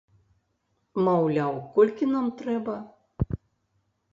Маўляў, колькі нам трэба?